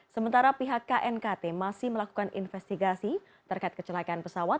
sementara pihak knkt masih melakukan investigasi terkait kecelakaan pesawat